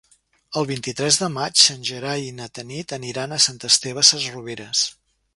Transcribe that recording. El vint-i-tres de maig en Gerai i na Tanit aniran a Sant Esteve Sesrovires.